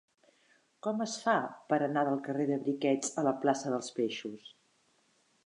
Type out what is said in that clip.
Com es fa per anar del carrer de Briquets a la plaça dels Peixos?